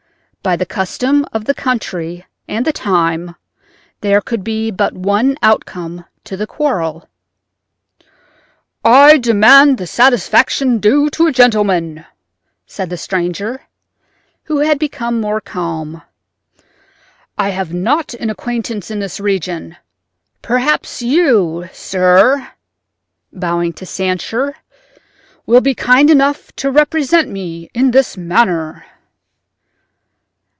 By the custom of the country and the time there could be but one outcome to the quarrel. "I demand the satisfaction due to a gentleman," said the stranger, who had become more calm. "I have not an acquaintance in this region. Perhaps you, sir," bowing to Sancher, "will be kind enough to represent me in this matter."